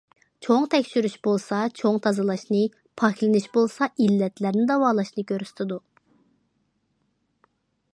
چوڭ تەكشۈرۈش بولسا چوڭ تازىلاشنى، پاكلىنىش بولسا ئىللەتلەرنى داۋالاشنى كۆرسىتىدۇ.